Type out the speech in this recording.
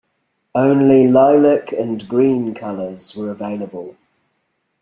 Only lilac and green colors were available.